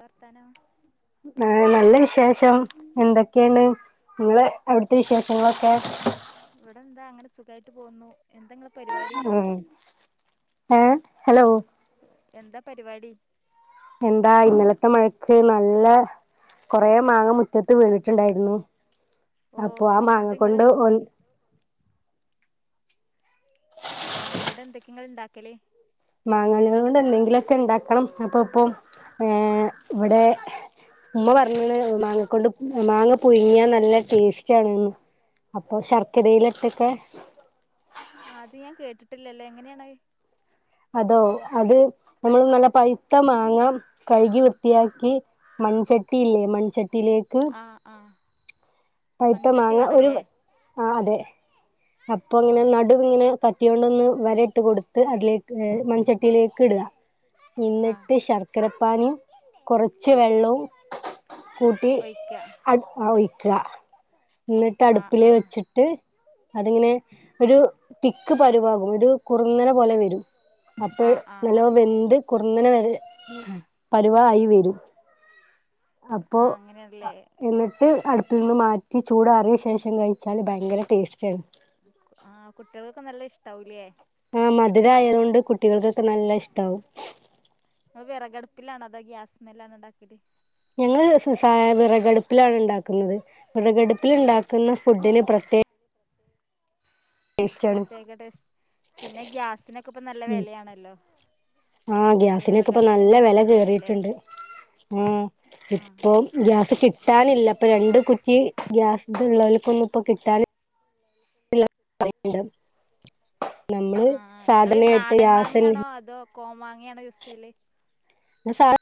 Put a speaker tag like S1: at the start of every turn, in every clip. S1: വർത്താനം
S2: ആഹ് നല്ല വിശേഷം എന്തൊക്കെണ് നിങ്ങളെ അവിട്ത്തെ വിശേഷങ്ങളൊക്കെ
S1: വടെ എന്താ അങ്ങനെ സുഖായ്ട്ട് പോവ്ന്നു എന്തങ്ങളെ
S2: ഉം ഏ ഹലോ
S1: എന്താ പരിവാടി
S2: എന്താ ഇന്നലത്തെ മഴക്ക് നല്ല കൊറേ മാങ്ങ മു റ്റത്ത് വീണിട്ട്ണ്ടായ്ര്ന്നു
S1: ഓ
S2: അപ്പൊ ആ മാങ്ങ
S1: എന്നിട്ട് ഇങ്ങള്
S2: കൊണ്ട് ഒ
S1: മാങ്ങനോട്ടെന്തൊക്കെ ങ്ങള് ണ്ടാക്കല്
S2: മാങ്ങനോണ്ട് ന്തെങ്കിലൊക്കെ ണ്ടാക്കണം അപ്പൊ പ്പൊ ഏ ഇവടെ ഉമ്മ പറഞ്ണ് മാങ്ങ കൊണ്ട് മാങ്ങ പുയ്ങ്യാ നല്ല ടേസ്റ്റ് ആണ്ന്ന് അപ്പൊ ശർക്കരയിലിട്ടൊക്കെ
S1: ആത് ഞാൻ കേട്ടിട്ടില്ലല്ലോ എങ്ങനെയാണത്
S2: അതോ അത് ഞമ്മള് നല്ല പൈത്ത മാങ്ങ കയ്കി വൃത്തിയാക്കി മൺചട്ടില്ലേ മൺചട്ടീലേക്ക്
S1: ആഹ് ആഹ്
S2: പൈത്ത
S1: മൺചട്ടി
S2: മാങ്ങ ഒരു
S1: വേണല്ലേ
S2: ആഹ് അതെ അപ്പൊങ്ങനെ
S1: ആഹ്
S2: നടു ങ്ങനെ പ ത്യോണ്ടൊന്ന് വരട്ട് കൊട്ത്ത് അതിലേക്ക് മൺചട്ടിയിലേക്ക് ഇട
S1: ആഹ്
S2: ന്നിട്ട് ശർക് ക്കരപ്പാനീം കൊറച്ച് വെള്ളവും കൂട്ടി
S1: ഒഴിക്ക
S2: അട് ആഹ് ഒയിക്ക
S1: ആഹ്
S2: എന്നട്ടട്പ്പില്
S1: ആഹ്
S2: വെച്ചിട് ട്ട് അതിങ്ങനെ ഒരു തിക്ക് പരുവാകും ഒരു കുർന്നനെ പോലെ വരും അപ്പ
S1: ആഹ് ആഹ്
S2: നല്ലോ വെന്ത് കുറന്നനെ വ പരുവയി വരും അപ്പോ
S1: ആഹ് അങ്ങനെയാണല്ലേ
S2: എന്നിട്ട് അട് പ്പിന്ന് മാറ്റി ചൂടാറിയ ശേഷം കഴിച്ചാല് ഭയങ്കര ടേസ്റ്റ്
S1: ആഹ് കുട്ട്യള്കൊക്കെ നല്ല ഇഷ്ടാവും ലേ
S2: ആഹ് മധുരയതോണ്ട് കുട്ടികൾക്കൊക്കെ നല്ല ഇഷ്ടമാവും
S1: നിങ്ങള് വിറകട്പ്പിലാണോ അതൊ ഗ്യാസ്മ്മലാണൊ ഇണ്ടാക്ക്ണത്
S2: ഞങ്ങൾ സാധവിറകടുപ്പിലാണ് ഉണ്ടാക്കുന്നത് വിറകടുപ്പിൽ
S1: ആഹ്
S2: ഉണ്ടാക്കുന്ന ഫുഡിന് പ്ര ടേസ്റ്റാണ്
S1: പ്രത്യേക ടേസ്റ്റ് പിന്നെ ഗ്യാസിനൊക്കെ ഇപ്പ നല്ല വിലയാണല്ലോ
S2: ആഹ്
S1: അപ്പൊ
S2: ഗ്യാസിനൊക്കെ ഇപ്പ
S1: വിറകടുപ്പ്
S2: നല്ല
S1: തന്നെയാണ്
S2: വില
S1: നല്ലതല്ലേ
S2: കറിയിട്ടുണ്ട് ആഹ്
S1: ആഹ്
S2: ഇപ്പം ഗ്യാസ് കിട്ടാനില്ല ഇപ്പ രണ്ട് കുറ്റി ഗ്യാസ് ഇള്ളൽക്ക്ന്നും ഇപ്പോ കിട്ടാൻ ഇല് ഇല്ല പയ്ട്ണ്ട്
S1: ആഹ് നങ്ങൾ നാടൻ മാങ്ങയാണോ
S2: ഗ്യാസന്നെ
S1: അതോ കോമാങ്ങയാണോ യുസ്സ് യ്യൽ
S2: നസാര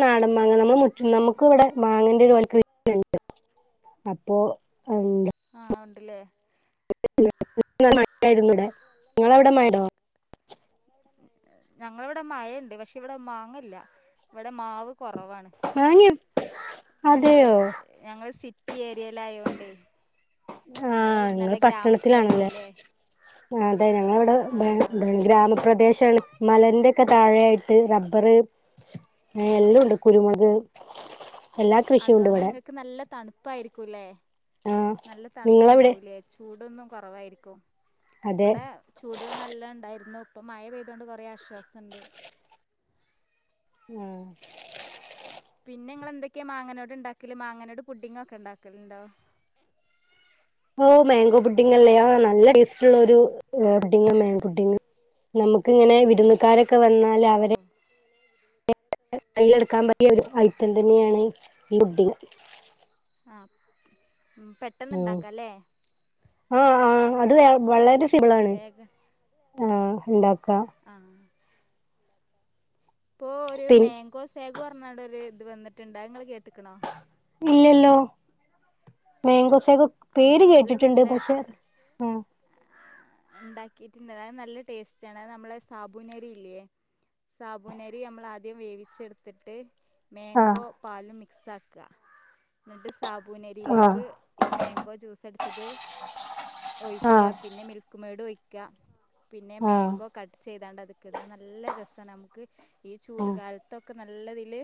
S2: നാടൻ മാങ്ങ നമു നമുക്ക് ഇവിടെ മാങ്ങേന്റെ ഒരുവിൽറ്റ്ണ്ട് അപ്പോ എന്താ
S1: ആഹ് ഉണ്ട് ല്ലേ
S2: നല്ലമട്ടായിരുന്നു ഇവടെ നിങ്ങള അവടെ മയണ്ടോ
S1: ഞങ്ങളിവിടെ മഴണ്ട് പക്ഷെ ഇവിടെ മാങ്ങല്ല ഇവിടെ മാവ് കൊറവാണ്
S2: മാങ്ങ
S1: ഞങ്ങള്
S2: അതെയോ
S1: ഞങ്ങള് സിറ്റി ഏരിയയില ആയോണ്ടേ
S2: ആഹ് നങ്ങള് പട്ടണത്തിലാണ് ല്ലേ
S1: ഗ്രാമത്തിലായിരിക്കൂല്ലേ
S2: ആഹ് അതെ
S1: ആഹ്
S2: ഞങ്ങളവിടെബ
S1: ആഹ്
S2: ഗ്രാമപ്രദേശ മലന്റെൊക്കെ താഴെയായിട്ട് റബ്ബറ് ആഹ് എല്ലാം ഉണ്ട് കുരുമുളക് എല്ലാ കൃഷിയും ഉണ്ട്
S1: അതോണ്ട്
S2: ഇവിടെ
S1: നിങ്ങൾക്ക് നല്ല തണുപ്പായിരിക്കൂംല്ലേ
S2: ആഹ്
S1: നല്ല
S2: നിങ്ങളെവിടെ
S1: തണുപ്പുണ്ടാവൂം ലേ ചൂടൊന്നും കുറവായിരിക്കും
S2: അതെ
S1: ഇവടെ ചൂട് നല്ലോണ്ടായിരുന്നു ഇപ്പം മഴ പെയ്തോണ്ട് കുറേ ആശ്വാസണ്ട്
S2: ആഹ്
S1: പിന്നെ നിങ്ങള് എന്തൊക്കെയാ മാങ്ങനയോട് ഉണ്ടാക്കല് മാങ്ങനോട് പുഡിങ്ങങ് ഒക്കെ ഉണ്ടാക്കലുണ്ടോ
S2: ഓ മാങ്കോ പുട്ടഡിങ്ങല്ലെ നല്ല ടേസ്റ്റ്ള്ളരു പുഡിങ് ലേ പുഡിങ്നമുക്ക് ഇങ്ങനെ വിരുന്നുകാരൊക്കെ വന്ന
S1: ഓ
S2: കയ്യിലെടുക്കാൻ പറ്റിയ ഒരു ഐറ്റം തന്നെയാണ് ഈ പുഡിങ്
S1: ആഹ് ഉം
S2: ഒ ആഹ് ആഹ് അത് വ വളരെ സിമ്പിളാണ്
S1: വേഗം
S2: ആഹ് ഉണ്ടാക്കാം
S1: ആഹ് ഇപ്പൊ ഒരു
S2: പിൻ
S1: മേങ്കോ സേഗൊന്ന്പറഞ്ഞ് ഒരു ഇത് വന്നിട്ടുണ്ട് അത്നിങ്ങള് കേട്ട്ക്ക്ണോ
S2: ഇല്ലല്ലോ മേങ്കോസേഗോക്കെ
S1: ആ
S2: പേര് കേട്ടിട്ടുണ്ട് പക്ഷേ
S1: ആഹ് ഉണ്ടാക്കിട്ട്ണ്ട് അത് നല്ല ടേസ്റ്റ ആണ് നമ്മളെ സാബൂനരി ഇല്ലേ സാബൂനരി നമ്മൾ ആദ്യം വേവിച്ചെടുത്തിട്ട് മാേങ്കോ പാലും മിക്സ് ആക്ക് എന്നിട്ട്
S2: ആഹ്
S1: സാബൂനരിയിലേക്ക് ഈ മേൻഗ് കൊ ജൂസട്ച്ചത് ഒഴിക്ക
S2: ആഹ്
S1: പിന്നെ മിൽക്ക്മേഡു ഒയിക്ക. പിന്നെ
S2: ആഹ്
S1: മേങ്കോ കട്ട് ചെയ്താണ്ടത്. ക് ടാ നല്ല രസാണ് നമക്ക് ഈ
S2: ആഹ്
S1: ചൂട്
S2: ആഹ്
S1: കാലത്തൊക്കെ നല്ലതില്.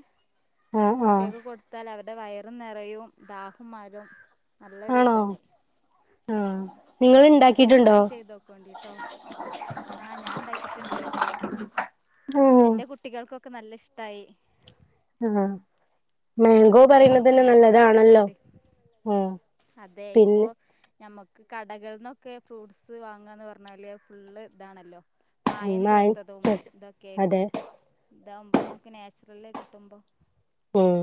S2: ആഹ് ആഹ്
S1: കുട്ട്യക്ക് കൊട്ത്താൽ അവര്ടെ വയറും നെറയും ദാഹംമാറും നല്ലൊരു.
S2: ആണോ
S1: ദാണ്.
S2: ആഹ് നിങ്ങള്
S1: ആഹ് നിങ്ങളൊന്ന് ട്രൈ
S2: ഇണ്ടാക്കിയിട്ടുണ്ടോ
S1: ചെയ്തോക്കോണ്ടിട്ടോ ആഹ് ഞാണ്ടാക്കിട്ട്ണ്ട്.
S2: ഉം
S1: എന്റെ കുട്ടികൾക്കൊക്ക നല്ലഷ്ടായി.
S2: ആഹ്.
S1: ങ്ങള്
S2: മാങ്കോ പറയുന്നതന്നെ
S1: കുട്ട്യാൾക്കൊക്കണ്ടാക്കി
S2: നല്ലതാണല്ലോ
S1: കൊട്ത്തോക്കോണ്ടി
S2: ഉം
S1: അതെ ഇപ്പൊ.
S2: പിന്നെ
S1: ഞമ്മക്ക് കടകൾന്നൊക്കെ ഫ്രൂട്ട്സ് വാങ്ങന്ന് പർഞ്ഞാല് അ ഫുള്ള് താണല്ലോ. മായം
S2: ന്നായി
S1: ചേർത്തതും
S2: അതെ
S1: തൊക്കെര്ക്കും താവുമ്പൊ ഞമക്ക് നാച്ചുറല് കിട്ടുമ്പം.
S2: ഉം.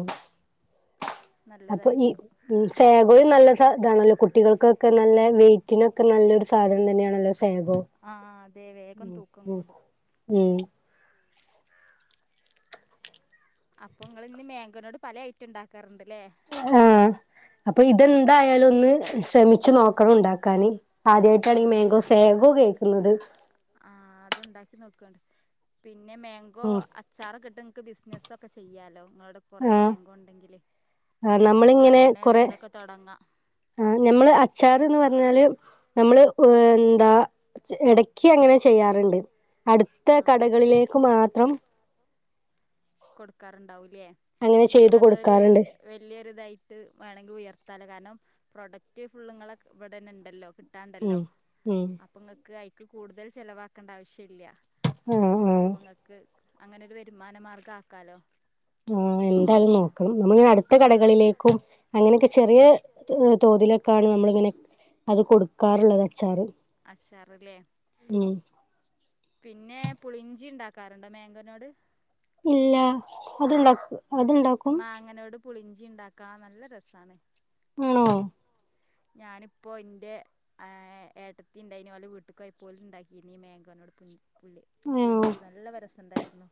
S2: അപ്പൊ ഈ
S1: നല്ലതായിരിക്കും
S2: ഉം സേഗോയും നല്ല സ താണല്ലോ കുട്ടികൾക്കൊക്കെ നല്ല വെയിറ്റിനൊക്കെ നല്ല സാധനം തന്നെയാണല്ലോ സേഗോ
S1: ആ അതെ വേഗം
S2: ഉം
S1: തൂക്കം
S2: ഉം
S1: കൂടും
S2: ഉം.
S1: അപ്പൊ ങ്ങള്ഞ്ഞ് മേങ്കോനോട് പല ഐറ്റണ്ടാക്കാറ്ണ്ട് ലേ.
S2: ആഹ് അപ്പ ഇതെന്തായാലു ഒന്ന് ശ്രമിച്ചു നോക്കണം ണ്ടാക്കാന്. ആദ്യായ്ട്ടാണ് ഈ
S1: ആഹ്
S2: മേങ്കോ സേഗോ കേക്ക്ന്നത്.
S1: ആഹ് അത്ണ്ടാക്കി നോക്ക്വോണ്ട് പിന്നെ മേങ്കോ
S2: ഉം
S1: അ ച്ചാറൊക്കെട്ട് ങ്ങക്ക് ബിസ്നസ്സൊക്കെ ചെയ്യാലോ ങ്ങളോടെ കൊറേ മേങ്കോ ണ്ടെങ്കില്.
S2: ആ നമ്മളിങ്ങനെ കൊറെ.
S1: തുടങ്ങാം
S2: ആഹ് ഞ്ഞമ്മള് അച്ചാറ്ന്ന് പർഞ്ഞാല് നമ്മള് ഉ എന്താ. ചെ എടക്ക് അങ്ങനെ ചെയ്യാറ്ണ്ട് അട്ത്ത
S1: ആഹ്
S2: കടകളിലേക്ക് മാത്രം.
S1: കൊട്ക്കാറുണ്ടാവു ലേ
S2: അങ്ങനെ ചെയ്ത്
S1: ങ്ങക്കതൊര്.
S2: കൊടുക്കാറുണ്ട്
S1: വല്ലൊര് തായിട്ട് വേണെങ്കി ഉയർത്താലോ കാരണം പ്രോഡക്റ്റ് ഫുള്ള്ങ്ങളെ വടെന്നെണ്ടല്ലോ. ട്ടാണ്ടല്ലോ
S2: ഉം ഉം
S1: അപ്പങ്ങക്ക് ഐക്ക് കൂടുതൽ ചെലവാക്കണ്ട ആവശ്യല്ല.
S2: ആഹ്.
S1: അപ്പങ്ങക്ക് അങ്ങനൊര് വരുമാന മാർഗാക്കാലോ.
S2: ആ എൻ്റയലും നോക്കണം നമ്മള്ങ്ങനെ അട്ത്ത
S1: ആഹ്
S2: കടകളിലേക്കും അങ്ങനൊക്കെ ചെറ്യേ. ര് തോതിലൊക്കാണ് നമ്മള്ങ്ങനെ അത് കൊടുക്കാറുള്ളത് അച്ചാറ്.
S1: അച്ചാറ് ലേ.
S2: ഉം.
S1: പിന്നെ പുളിഞ്ചിണ്ടാക്കാറ്ണ്ടോ മേങ്കോനോട്.
S2: ഇല്ല അത്ണ്ടാക്കു
S1: അ മാങ്ങനോട് പുളിഞ്ചിണ്ടാക്കാ നല്ല രസാണ്.
S2: ആണോ.
S1: ഞാന്പ്പോ ഇന്റെ. അ ഏ ഏട്ടത്തിണ്ടയ്നി ഓലെ വീട്ട്ക്കോയ്പ്പ ഓല്ണ്ടാക്കിനി മേങ്കോനോട് പുഞ് പുളി
S2: ആ
S1: പുളിഞ്ചി നല്ലവ രസണ്ടായിരുന്നു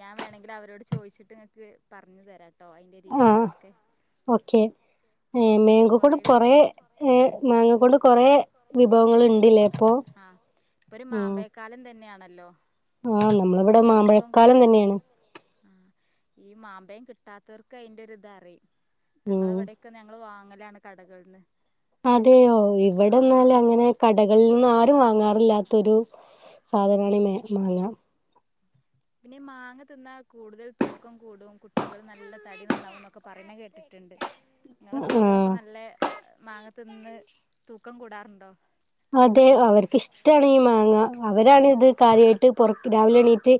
S1: ഞാ വേണങ്കിലവരോട് ചോയ്ച് ട്ട് ങ്ങക്ക് പർഞ് തരാട്ടോ അയിന്റെ രീതികളൊക്കെ.
S2: ഏ
S1: അപ്പൊ ഇങ്ങക്ക്
S2: മേങ്കോ കൊണ്ട്
S1: കൊറേ
S2: കൊറെ
S1: വിഭവങ്ങളുണ്ട്.
S2: ഏ മാങ്ങ കൊണ്ട് കൊറേ വിഭവങ്ങള്ണ്ട് ലേ പ്പൊ.
S1: പ്പൊര് മാമ്പയക്കാലം തന്ന്യാണല്ലോ.
S2: ആഹ് നമ്മളിവിടെ മാമ്പഴക്കാലം തന്ന്യേണ്.
S1: ആഹ് ഈ മാമ്പയം കിട്ടാത്തവർക്ക് അയിന്റെര്തറിം
S2: ഉം
S1: ഞങ്ങളവിടെ ത്ത്ന്ന് ഞങ്ങള് വാങ്ങലാണ് കടകൾന്ന്.
S2: അതെയോ ഇവടന്നാല് അങ്ങനെ. കടകളിൽ നിന്നാരും വാങ്ങാറില്ലാത്തൊരു സാധനാണ് മേ മാങ്ങ.
S1: പിന്നെ ഈ മാങ്ങ ത് ന്നാ കൂടുതൽ തൂക്കം കൂടും കുട്ടികള് നല്ല തടി നന്നാവും ന്നൊക്കെ പറിണ കേട്ടിട്ട്ണ്ട്. ങ്ങള
S2: ആഹ്
S1: കുട്ടികളൊക്ക നല്ലെ മാങ്ങ ത്തിന്ന് തൂക്കം കൂടാറുണ്ടോ.
S2: അതെ അവർക്ക്ഷ്ടാണീ മാങ്ങ അവരാണിത് കാര്യായ്ട്ട് പൊർകി രാവിലെ എണീറ്റ്.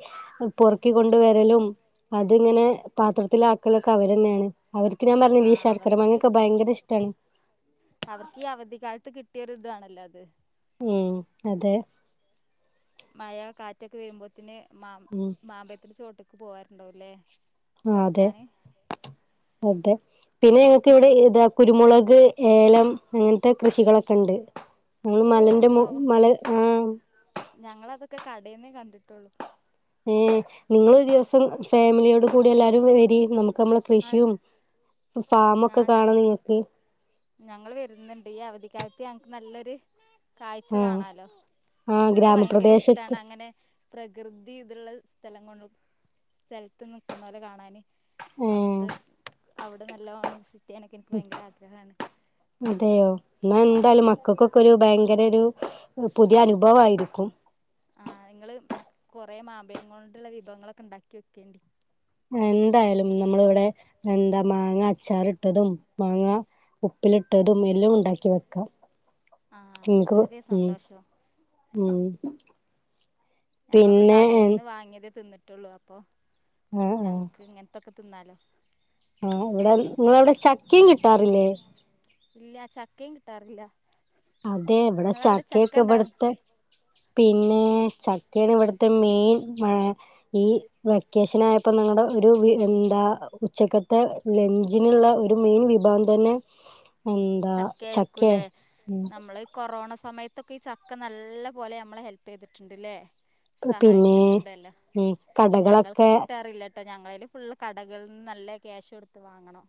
S2: പൊർക്കി കൊണ്ട് വരലും അത്ങ്ങനെ പാത്രത്തിലാക്കലൊക്കെ അവരെന്നേണ്. അവർക്ക് ഞാ
S1: ആ
S2: പറഞ്ഞില്ല ഈ
S1: അവർക്ക്
S2: ശർക്കരമാങ്ങൊക്കെ ഭയങ്ക ഇഷ്ടണ്
S1: അവർക്ക് ഈ അവധിക്കാലത്ത് കിട്ടിയ ഒരു ഇതാണല്ലോ അത്
S2: ഉം അതെ
S1: മഴ കാറ്റൊക്കെ വരുമ്പോത്തന് മാം
S2: ഉം
S1: മാമ്പഴത്തിന്റെ ചോട്ടേക്ക് പോവാലുണ്ടാവല്ലേ
S2: ആ അതെ അതെ പിന്നെ ഞങ്ങക്ക് ഇവിടെ ഇതാ കുരുമുളക് ഏലം അങ്ങനത്തെ കൃഷികളൊക്കെ ഉണ്ട് ഞങ്ങള് മലന്റെ മല ആ
S1: ഞങ്ങള അതൊക്കെ കടേന്നേ കണ്ടിട്ടൊള്ളു
S2: ഏർ നിങ്ങൾ ഒരു ദിവസം ഫാമിലിയോട് കൂടി എല്ലാരും വരി നമുക്ക് നമ്മള
S1: ആ
S2: കൃഷിയും ഫാമ ഒക്കെ കാണാം നിങ്ങക്ക്
S1: ഞങ്ങള്ൾ വരുന്നുണ്ട് ഈ അവധിക്കാലത്ത് ഞങ്ങക്ക് നല്ലൊരു കാഴ്ച
S2: ആഹ്
S1: കാണാലോ
S2: ആഹ്
S1: എനിക്ക് ഭയങ്കര
S2: ഗ്രാമപ്രദേശത്ത്
S1: ഇഷ്ടമാണ് അങ്ങനെ പ്രകൃതി ഇതുള്ള സ്ഥലം കൊണ്ട് സ്ഥലത്ത് നിക്കുന്ന പോലെ കാണാന്
S2: ഏഹ്
S1: അവിടുത്തെ അവിടെ നല്ലോഓണം അനക്ക് എനിക്ക് ഭയങ്കര ആഗ്രഹമാണ്
S2: അതെയോ എന്നാ എന്തായാലും മക്കൾക്കൊക്കെ ഒരു ഭയങ്കര ഒരു പുതിയ അനുഭവയിരിക്കും
S1: ആ നിങ്ങള് കൊറെ മാപേങ്ങ കൊണ്ടള്ള വിഭവങ്ങളൊക്കെ ഉണ്ടാക്കി വെക്കേണ്ടണ്ട്
S2: എന്തായാലും നമ്മളിവിടെ എന്താ മാങ്ങ അച്ചാറി ഇട്ടതും മാങ്ങ ഉപ്പിലിട്ട്തുമെല്ലാം ഉണ്ടാക്കി വെക്കാം
S1: ആഹ് അത്
S2: നിങ്ങക്ക്
S1: വളരെ
S2: ഉം
S1: സന്തോഷം
S2: ഉം
S1: ഞങ്ങളൊക്കെ
S2: പിന്നെ
S1: കടയിൽന്ന് വാങ്ങിയതേ തിന്നിട്ടുള്ളൂ അപ്പൊ
S2: ആഹ് ആഹ്
S1: ഞങ്ങക്ക് ഇങ്ങന ത്തെ തിന്നാലോ
S2: ആഹ ഇവിടെ നിങ്ങളവിടെ ചക്കയും കിട്ടാറില്ലേ
S1: ഇല്ല ചക്കേ കിട്ടാറില്ല
S2: അതെ ഇവിടെ
S1: നിങ്ങളവിടെ ചക്ക
S2: ചക്കയൊക്കെ
S1: ഉണ്ടായിരുന്നു
S2: ഇവിടുത്തെ പിന്നെ ചക്കയാണ് ഇവിടുത്തെ മെയിൻ ഈ വെക്കേഷൻ ആയപ്പോ നിങ്ങളുടെ ഒരു എന്താ ഉച്ചക്കത്തെ ലെഞ്ചിനുള്ള ഒരു മെയിൻ വിഭവം തന്നെ എന്താ ചക്കയ
S1: ചക്കയായിരിക്കൂല്ലേ നമ്മള് ഈ കൊറോണ സമയത്തൊക്കെ ഈ ചക്ക നല്ല പോലെ നമ്മളെ ഹെൽപ് ചെയ്തിട്ടുണ്ട്ല്ലേ
S2: പിന്നെ
S1: സഹായിച്ചിട്ടുണ്ടല്ലോ
S2: ഉം
S1: പക്ഷെ ഞങ്ങൾക്ക്
S2: കടകളൊക്കെ
S1: കിട്ടാറില്ല കേട്ടോ ഞങ്ങളല് ഫുള് കടകളിൽ നിന്ന് നല്ല ക്യാഷ് കൊടുത്ത് വാങ്ങണം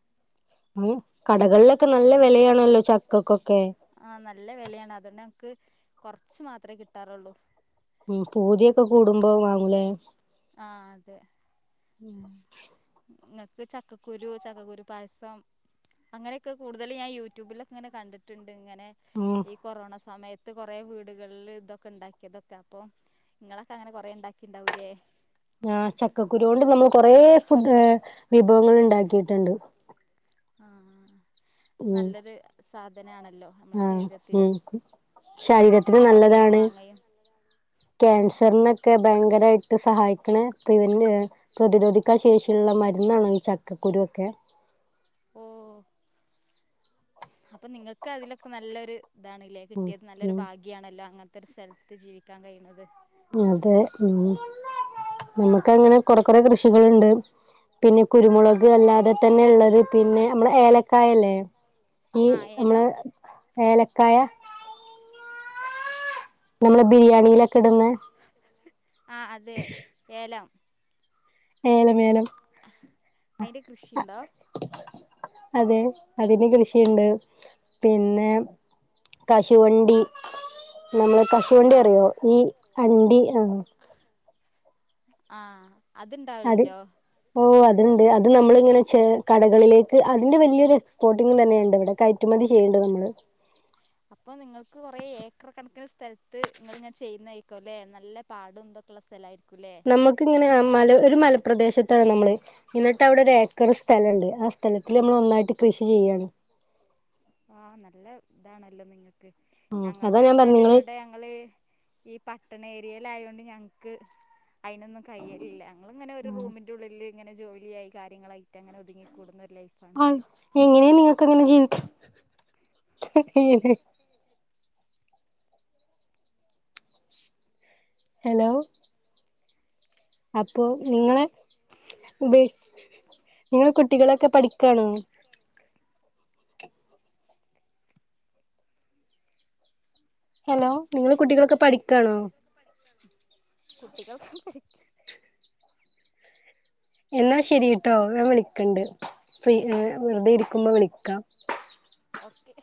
S2: കടകളിലൊക്കെ നല്ല വിലയാണല്ലോ ചക്കൾക്കൊക്കെ
S1: ആഹ നല്ല വിലയാണ് അതുകൊണ്ട് നമക്ക് കൊറച്ച മാത്രമേ കിട്ടാറുള്ളൂ
S2: ഉ പൂതിയൊക്കെ കൂടുമ്പോ വാങ്ങൂലേ
S1: ആഹ് അതെ
S2: ഉം
S1: നിങ്ങക്ക് ചക്കക്കുരു ചക്കക്കുരു പായസം അങ്ങനെയൊക്കെ കൂടുതൽ ഞാൻ യൂട്യൂബിലൊക്ക ഇങ്ങനെ കണ്ടിട്ടുണ്ട് ഇങ്ങനെ
S2: ഉം
S1: കൊറോണ സമയത്ത് കൊറേ വീടുകളിൽ ഇതൊക്കെ ഉണ്ടാക്കിയതൊക്കെ അപ്പൊ നിങ്ങളൊക്കെ അങ്ങനെ കുറെേ ഉണ്ടാക്കി ഉണ്ടാവൂല്ലേ
S2: ആ് ചക്കക്കുരു കൊണ്ട് നമ്മൾ കൊറെേ ഫുഡ് വിഭവങ്ങൾ ഉണ്ടാക്കിയിട്ടുണ്ട്
S1: ആഹ് നല്ലൊരു സാധന ആണല്ലോ
S2: ആഹ് ഉ ശരീരത്തിന്
S1: ചക്കയും
S2: നല്ലതാണ്
S1: മാങ്ങയും
S2: ക്യാൻസറിനൊക്കെ ഭയങ്കരമായിട്ട് സഹായിക്കണ ഇവന്റ് പ്രതിരോധിക്കാൻ ശേഷിയുള്ള മരുന്നാണോ ഈ ചക്കക്കുരുൊക്കെ
S1: ഓ അപ്പൊ നിങ്ങൾക്ക് അതിലൊക്കെ നല്ലൊരു ഇതാണല്ലേ കിട്ടിയത് നല്ലൊരു
S2: ഉം
S1: ഭാഗ്യാണല്ലോ അങ്ങനത്തെ ഒരു സ്ഥലത്ത് ജീവിക്കാൻ കഴിയുന്നത്
S2: അതെ ഉം നമുക്ക അങ്ങനെ കൊറെ കൊറെ കൃഷികൾുണ്ട് പിന്നെ കുരുമുളക്
S1: ആഹ്
S2: അല്ലാതെ തന്നെ ഉള്ളത് പിന്നെ നമ്മടെ ഏലക്കായ അല്ലേ ഈ
S1: ആഹ്
S2: നമ്മള്
S1: ഏലം
S2: ഏലക്കായ
S1: [unintelligible] [inaudible]
S2: നമ്മെ ബിരിയാണിയിലൊക്കെ ഇടന്ന്
S1: ആ അതെ ഏലം
S2: ഏലം ഏലം
S1: അയിന്റെ കൃഷിയുണ്ടോ
S2: അതെ അതിന് കൃഷിയുണ്ട് പിന്നെ കശുവണ്ടി നമ്മള് കശുവണ്ടി
S1: ആഹ്
S2: അറിയോ ഈ അണ്ടി ആഹ്
S1: ആഹ് അത്ണ്ടാവല്
S2: അത്
S1: ണ്ടോ
S2: ഓ അതുണ്ട് അത് നമ്മളിങ്ങനെ കടകളിലേക്ക് അതിന്റെ വലിയൊരു എക്സ്പോർട്ടിങ്ങ് തന്നെയുണ്ട് ഇവിടെ കയറ്റുമതി ചെയ്യേണ്ടണ്ട് നമ്മൾ
S1: അപ്പൊ നിങ്ങൾക്ക് കുറെ ഏക്കർ കണക്കിന് സ്ഥലത്ത് നിങ്ങൾ ഇങ്ങനെ ചെയ്യുന്നയിക്കോല്ലേ നല്ല പാടും തൊയുള്ള സ്ഥലായിരിക്കുല്ലേ
S2: നമുക്ക് ഇങ്ങനെ മല ഒരു മലപ്രദേശത്താണ് നമ്മള് എന്നിട്ട് അവിടെ ഒരു ഏക്കർ സ്ഥലുണ്ട് ആഹ് സ്ഥലത്തിൽ നമ്മൾ ഒന്നായിട്ട് കൃഷി ചെയ്യാണ്
S1: ആഹ് നല്ല ഇതാണല്ലോ നിങ്ങക്ക്
S2: ഉം അതാ
S1: ഞങ്ങളിത്
S2: ഞാൻ പറഞ്ഞ
S1: പറഞ്ഞാല്
S2: നിങ്ങള്
S1: ഇവടെ ഇങ്ങള് ഈ പട്ടണ ഏരിയല് ആയോണ്ട് ഞങ്ങക്ക് അയ്നൊന്നും കൈയ്യലില്ല ഞങ്ങളിങ്ങനെ ഒരു റൂമിൻ്റെ ഉള്ളിൽ ഇങ്ങനെ ജോലിയായി കാര്യങ്ങളായിട്ട് അങ്ങനെ ഒതുങ്ങിക്കൂടുന്ന ഒരു ലൈഫാണ്
S2: ആ എങ്ങനെയാ നിങ്ങക്കിങ്ങനെ ജീവിക്ക ഹലോ അപ്പൊ നിങ്ങളെ വി നിങ്ങളെ കുട്ടികളൊക്കെ പഠിക്കാണോ ഹലോ നിങ്ങള് കുട്ടികളൊക്കെ പഠിക്കാണോ
S1: കുട്ടികൾ പ
S2: എന്നാ ശരിട്ടോ ഞാൻ വിളിക്കണ്ട് ഫ്രീ
S1: ഉം
S2: വെറുതെ ഇരിക്കുമ്പോ വിളിക്കാം
S1: ഓക്കെ